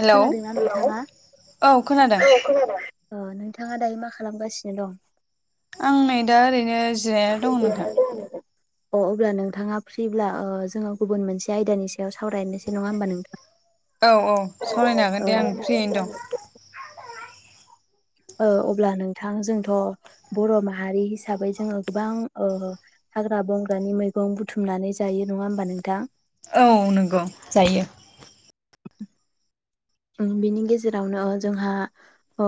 Hello खोनादोंना नोंथाङा? औ खोनादों औ खोनादों। ओ नोंथाङा दायो मा खालामगासिनो दं? आं नै दा ओरैनो जिरायना दं नोंथां। अ अब्ला नोंथाङा फ्रिब्ला ओ जोङो गुबुन मोनसे आयदानि सायाव सावरायनोसै नङा होमबा नोंथां? औ औ सावरायनो हागोन औ दे आं फ्रियैनो दं। ओ अब्ला नोंथां जोंथ' बर' माहारि हिसाबै जोङो गोबां ओ हाग्रा बंग्रानि मैगं बुथुमनानै जायो नङा होमबा नोंथां? औ नंगौ जायो। उम बिनि गेजेरावनो ओ जोंहा ओ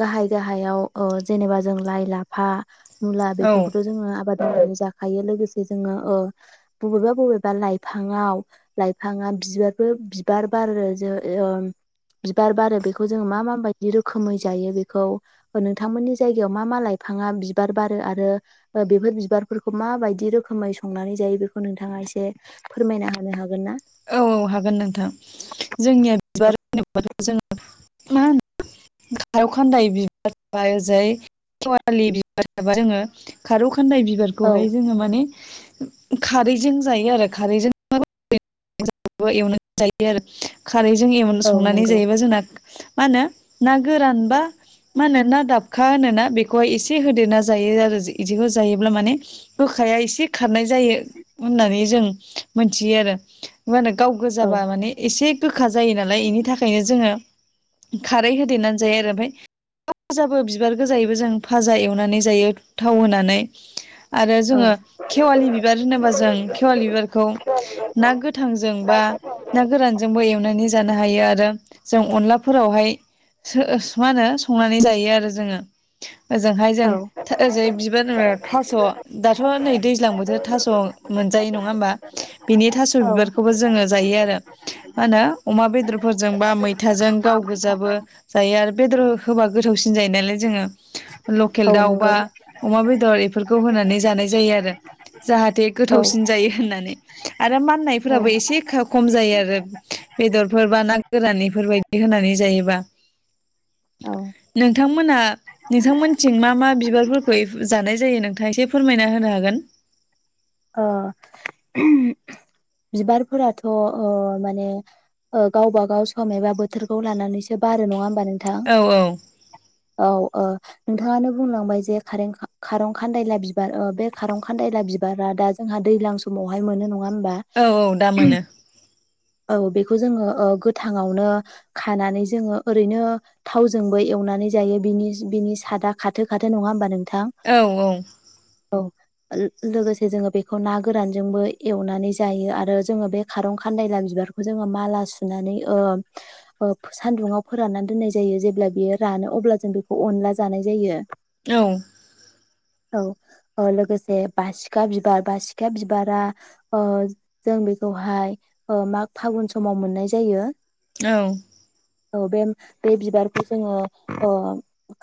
गाहाय गाहायाव ओ जेनेबा जों लाइ, लाफा मुला औ बेफोरखौथ' जोङो आबाद मावनानै ज जाखायो लोगोसे जोङो ओ बबेबा बबेबा लाइफाङाव लाइफाङा बिबारबो बिबार बारो जो ओ बिबार बारो बेखौ जोङो मा माबायदि रोखोमै जायो बेखौ नोंथांमोननि जायगायाव मा मा लाइफाङा बिबार बारो आरो ओ बेफोर बिबारफोरखौ माबायदि रोखोमै संनानै जायो बेखौ नोंथाङा एसे फोरमायना होनो हागोन ना? औ औ हागोन नोंथां जोंनिया बिबार होनोबाथ' जोङो मा होनो खारौ खान्दाय बिबार थाबाय ओजाय सेवालि बिबार थाबाय जोङो खार' खान्दाय औ बिबारखौहाय जोङो माने खारैजों जायो आरो खारैजों [unintelligible] [unintelligible] एवनानै जायो आरो। खारैजों एवन औ संनानै नंगौ जायोबा जोंना मा होनो ना गोरान बा मा होनो ना दाबखा होनोना बेखौहाय एसे होदेरना जायो आरो जि-इदिखौ जायोब्ला माने गोखाया एसे खारनाय जायो होननानै जों मोनथियो आरो। [inaudible] मा होनो गाव औ गोजाबा माने एसे गोखा जायो नालाय एनि थाखायनो जोङो खारै होदेरनानै जायो आरो ओमफ्राय फाजाबो बिबार गोजायैबो जों फाजा एवनानै जायो थाव होनानै। आरो औ जोङो ना खेवालि बिबार होनोबा जों खेवालि बिबारखौ ना गोथांजों बा गोथांजों ना गोरानजोंबो एवनानै जानो हायो आरो जों अनलाफोरावहाय मा होनो संनानै जायो आरो जोङो। ओजोंहाय जों औ ओजों बिबार थास' दाथ' नै दैज्लां बोथोर थास' मोनजायो नङा होमबा? बिनि थास' औ बिबारखौबो जोङो जायो आरो मा होनो अमा बेदर फोरजों बा मै मैथाजों गाव गोजाबो जायो आरो बेदर होबा गोथावसिन जायो नालाय जोङो औ लकेल नंगौ दाउबा अमा बेदरफोर फोरखौ होनानै जानाय जायो आरो। जाहाथे औ गोथावसिन जायो होननानै। आरो माननायफोराबो औ एसे खम जायो आरो बेदरफोर बा ना गोरानैफोरबायायदि होनानै जायोबा नोंथांमोना नोंथांमोनथिं मा मा बिबारफोरखौ जानाय जायो नों खायसे फोरमायना होनो हागोन। आ बिबारफोराथ' माने गावबागाव सम एबा बोथोरखौ लानानैसो बारो नङा हो औ औ औ औ नोंथाङानो बुंलांबाय जे खारं खान्दायला बिबार बे खारं खान्दायला बिबार दा जोंहा दैलां समावहाय मोनो नङा होमबा औ औ दा मोनो। औ बेखौ जोङो ओ गोथांआवनो खानानै जोङो ओरैनो थावजोंबो एवनानै जायो बिनि बिनि सादा खाथो खाथो नङा होमबा नों थां औ औ औ लोगोसे जोङो बेखौ ना गोरानजोंबो एवनानै जायो आरो जोङो बे खारं खान्दायला बि बिबारखौ जोङो माला सुनानै ओ सान्दुुंआव फोराननानै दोननाय जायो जेब्ला बियो रानो अब्ला जों बेखौ अनला जानाय जायो। औ औ लोगोसे बासिखा बिबार बासिखा बिबारा ओ जों बेखौहाय माग फागुन समाव मोननाय जायो औ औ बे बे बिबारखौ जोङो ओ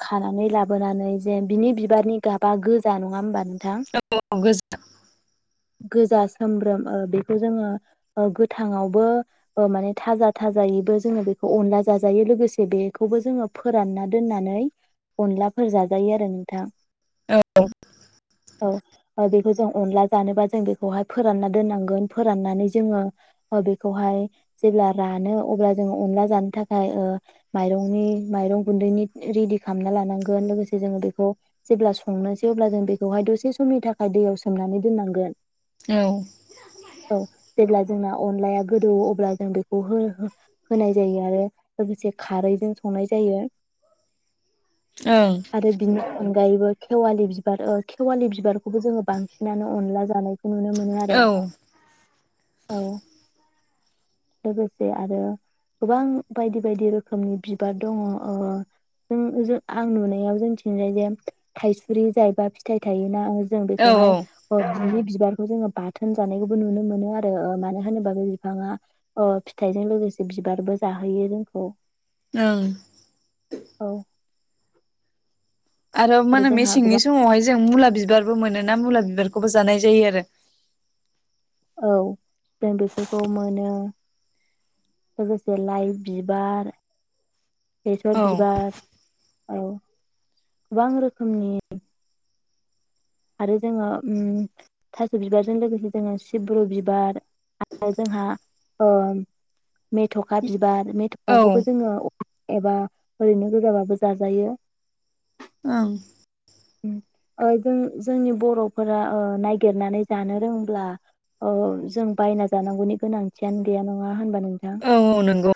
खानानै लाबोनानै जे बिनि बिबारनि गाबा गोजा नङा होमबा नों औ गोजा गोजा सोमब्रोम बेखौ जोङो ओ गोथाङावबो माने थाजा थाजायैबो जोङो बेखौ अनला जाजायो लोगोसे बेखौबो जोङो फोरानना दोननानै अनलाफोर जाजायो आरो नोंथां औ औ जों अनला जानोबा जों बेखौहाय फोरानना दोननांगोन फोराननानै जोङो बेखौहाय जेब्ला रानो अब्ला जोङो अनला जानो थाखाय ओ माइरंनि माइरं गुन्दैनि रेडि खालामना लानांगोन लोगोसे जोङो बेखौ जेब्ला संनोसै अब्ला जों बेखौहाय दसे समनि थाखाय दैयाव सोमनानै दोननांगोन औ ओं औ जेब्ला [unintelligible] अनलाया गोदौ अब्ला जों बेखौ होनाय जायो आरो लोगोसे खारैजों संनाय जायो औ आरो बिनि अनगायैबो खेवालि बिबार खेवालि बिबारखौबो जोङो बांसिनानो अनला जानाय औ औ लोगोसे आरो गोबां बायदि बायदि रोखोमनि बिबार दङ ओ जों जों आं नुनायाव जों थिंजाय जे थायसुरि जायोबा फिथाइ थायोना जों औ बेखौहाय अ जुदि बिबारखौ जोङो बाथोन जानायखौबो नुनो मोनो आरो माने मानो होनोबाबो बिफाङा ओ फिथाइजों लोगोसे बिबारबो जाहोयो जोंखौ ओं औ आरो मा होनो जोंहा मेसेंनि गोबां समावहाय जों मुला बिबारबो मोनो ना मुला बिबारखौबो जानाय जायो आरो औ जों बेफोरखौ मोनो लोगोसे लाइ बिबार औ बेसर बिबार औ गोबां रोखोमनि आरो जोङो ओम थास' बिबारजों लोगोसे जोङो सिब्रु बिबार आरो जोंहा मेथ'खा बिबार बार ओं मेथ'फाखौबो जोङो एबा ओरैनो गोजाबाबो जाजायो ओं उम ओ जों जोंनि बर'फोरा ओ नागिरनानै जानो रोंब्ला जों बायना जानांगौनि गोनांथियानो गैया नङा होनबानो औ औ नंगौ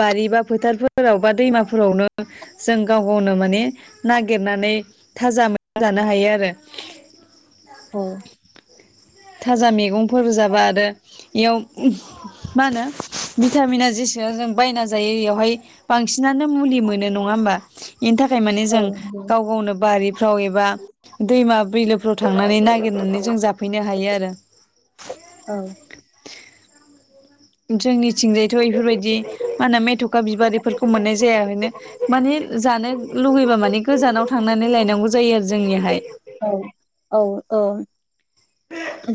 बारिबा फोथारफोराव बा दैमाफोरावनो जों गाव गावनो माने नागिरनानै थाजा मैजानो हायो आरो औ थाजा मैगंफोरबो जाबा आरो इयाव मा होनो भिटामिना जेसेब जों बायना जायो बेयावहाय बांसिनानो मुलि मोनो नङा होनबा बेनि थाखाय माने औ जों नंगौ गाव गावनो बारिफ्राव एबा दैमा बिलोफ्राव थांनानै नागिरनानै जों जाफैनो हायो आरो औ जोंनि थिंजायथ' बेफोरबायदि मा होनो मेथ'खा बिबारिफोरखौ मोननाय जायानो माने जानो लुबैबा माने गोजानाव थांनानै लायनांगौ जायो आरो जोंनिहाय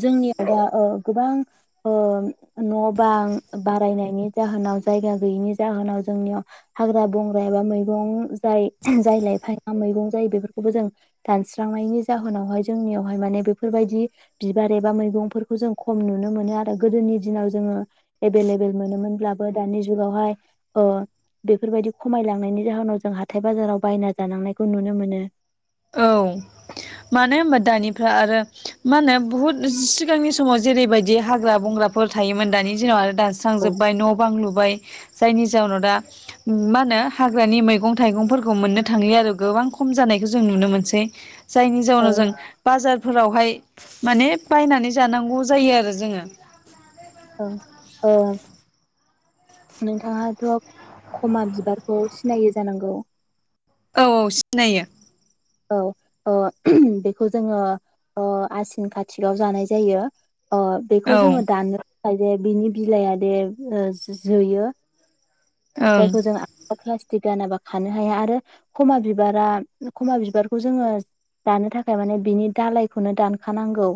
जोंनि दा ओ गोबां ओ न' बां बारायनायनि जाहोनाव जायगा गैयैनि जाहोनाव जोंनियाव हाग्रा बंग्रा एबा मैगं जाय जाय लाइफा मैगं जायो बेफोरखौबो जों दानस्रांनायनि जाहोनावहाय जोंनियावहाय माने बेफोरबायदि बिबार एबा मैगंफोरखौ जों खम नुनो मोनो आरो गोदोनि दिनाव जोङो एभेलेबेल मोनोमोनब्लाबो दानि जुगावहाय बेफोरबायदि खमायलांनायनि जाहोनाव जों हाथाय बाजाराव बायना जानांनायखौ नुनो मोनो औ मानो होनबा दानिफ्रा आरो मा होनो बुहुद सिगांनि समाव जेरैबायदि हाग्रा बंग्राफोर थायोमोन दानि दिनाव औ दानस्रांजोबबाय न' बां लुबाय जायनि जाहनाव दा मा होनो हाग्रानि मैगं थाइगंफोरखौ मोननो थांलिया आरो गोबां खम जानायखौ ज जों नुनो मोनसै जायनि जाउनाव जों बाजार फोरावहाय माने बायनानै जानांगौ जायो आरो जोङो अ औ नोंथाङाथ खमा बिबारखौ सिनायो जानांगौ औ औ सिनायो औ अ बेखौ जोङो आसिन खाथिकाव जानाय जायो अ बेखौ औ ओं जोङो दाननो ओमफायो दे बिनि बिलाइआ दे ओ जो जोयो औ जायखौ जों [unintelligible] [unintelligible] गानाबा खानो हाया आरो खमा बिबारा खमा बिबारखौ जोङो दानो थाखाय माने बिनि दालायखौनो दानखानांगौ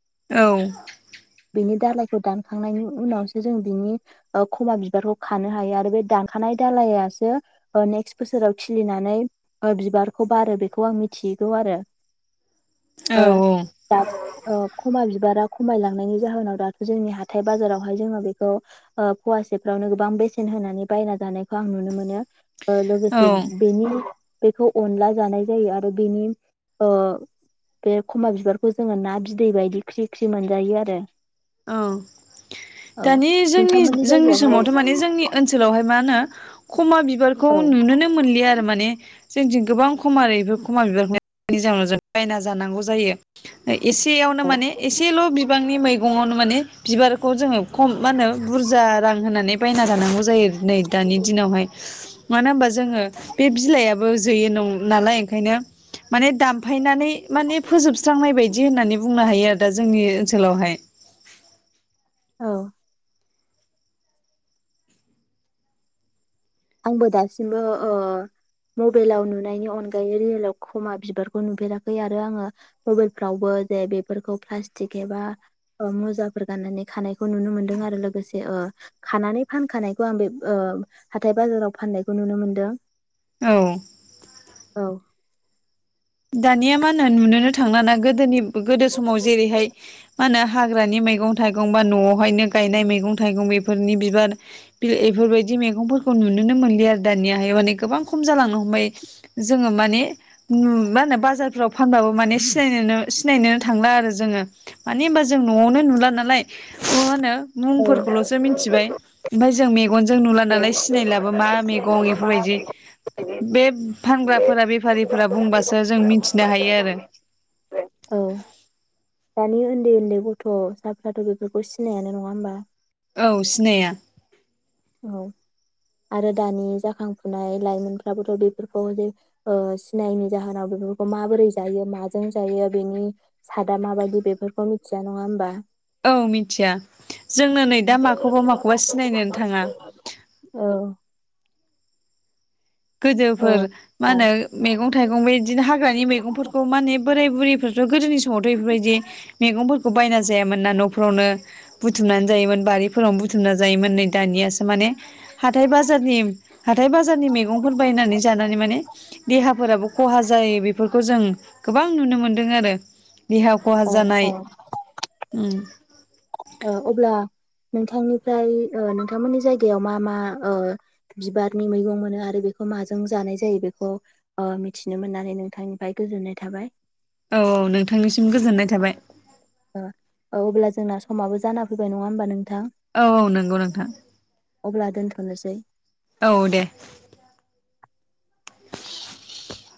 औ बिनि दालायखौ दानखांनायनि उनावसो जों बिनि खमा बिबारखौ खानो हायो आरो बे दानखानाय दालायासो नेक्स्ट बोसोराव खिलिनानै बिबारखौ बारो बेखौ आं मिथियोगौ आरो ओ औ दा‌ ओ खमा बिबाराव खमायलांनायनि जाहोनाव दाथ जोंनि हाथाय बाजारावहाय जोङो बेखौ फवासेफ्रावनो गोबां बेसेन होनानै बायना जानायखौ आं नुनो मोनो लोगोसे औ बेनि बेखौ अनला जानाय जायो आरो बेनि ओ बे खमा बिबारखौ जोङो ना बिदै बायदि ख्रि ख्रि मोनजायो आरो औ औ दानि जोंनि नोंथांमोननि जोंनि समावथ जायगायावहाय माने जोंनि ओनसोलावहाय मा होनो खमा बिबारखौ औ नुनोनो मोनलिया आरो माने जोंथिं गोबां खम [unintelligible] खमारफोर खमा बिबारनायनि जाउनाव जों बायना जानांगौ जायो एसेयावनो औ माने एसेल बिबांनि मैगं मङावनो माने बिबारखौ जोङो खम मा होनो बुरजा रां होनानै बायना जानांगौ जायो नै दानि दिनावहाय मानो होनबा जोङो बे बिलाइआबो जोयो नं नालाय ओंखायनो माने दामफायनानै माने फोजोबस्रांनाय बायदि होननानै बुंनो हायो आरो दा जोंनि ओनसोलावहाय औ आंबो दासिमबो ओ मबाइलाव नुनायनि अनगायै रियेलाव खमा बिबारखौ नुफेराखै आरो आङो मबाइलफ्रावबो जे बेफोरखौ प्लास्टिक एबा मुजाफोर गाननानै खानायखौ नुनो मोनदों आरो लोगोसे खानानै फानखानायखौ आं बे ओ हाथाय बाजाराव फान्नायखौ नुनो मोन्दो औ औ। दानिया मा होनो नुनोनो थांला ना गोदोनि गोदो समाव जेरैहाय मा होनो हाग्रानि मैगं-थाइगं बा नआवहायनो गायनाय मैगं-थाइगं बेफोरनि बिबार बि इ बेफोरबायदि मैगंफोरखौ नुनोनो मोनलि आरो दानियाहाय माने गोबां खम जालांनो हमबाय जोङो माने नु मा होनो बाजारफ्राव फानबाबो माने सिनायनोनो सिनायनोनो थांला आरो जोङो मानो होनबा जों नआवनो नुला नालाय मा होनो औ मुंफोरखौल'सो मिनथिबाय ओमफाय जों मे मेगनजों नुला नालाय सिनायलाबो मा मैगं बेफोरबायदि बे फानग्राफोरा बेफारिफोरा बुंबासो ओ जों मिन्थिनो हायो आरो। औ दानि उन्दै उन्दै गथसाफ्राथ' बेफोरखौ सिनायानो नङा होमबा? औ सिनाया। औ आरो दानि जाखांफुनाय लाइमोनफ्राबोथ' बेफोरखौ जे ओ सिनायिनि जाहोनाव बेफोरखौ माबोरै जायो माजों जायो बेनि सादा माबायदि बेफोरखौ मिथिया नङा होमबा? औ मिथिया। जोंनो नै दा माखौबा माखौबा सिनायनोनो थाङा। [unintelligible] औ। औ गोदोफोर मा होनो मेगं-थाइगं बेदिनो हाग्रानि मैगंफोरखौ माने बोराय बुरै फोरथ' गोदोनि स समावथ' इफोरबायदि मैगंफोर खौ बायना जायोन ना नफोरावनो बुथुमनानै जायोमोन बारिफोरावनो बुथुमनानै जायोमोन नै दानियासो माने हाथाय बाजारनि हाथाय बाजार मैगंफोर बायनानै जानानै माने देहाफोराबो खहा जायो बेफोरखौ जों गोबां नुनो मोनदों आरो। देहा खहा औ औ जानाय उम। ओ अब्ला नोंथांनिफ्राय ओ नोंथांमोननि जायगायाव मा मा ओ बिबारनि मैगं मोनो आरो बेखौ माजों जानाय जायो बेखौ ओ‌ मिथिनो मोननानै नोंथांनिफ्राय गोजोननाय थाबाय। औ औ नोंथांनिसिम गोजोननाय थाबाय। ओ अब्ला जोंना समाबो जाना फैबाय नङा होमबा नोंथां? औ औ नंगौ नोंथां। अब्ला दोनथनोसै। औ दे।